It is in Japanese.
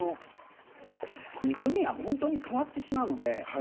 海は本当に変わってしまうので。